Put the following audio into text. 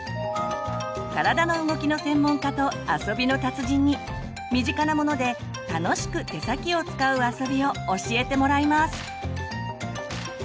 体の動きの専門家と遊びの達人に身近なもので楽しく手先を使う遊びを教えてもらいます！